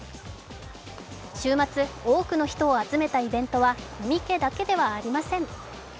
週末、多くの人を集めたイベントはコミケだけではありません。